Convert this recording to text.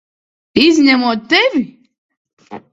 Izņemot tevi!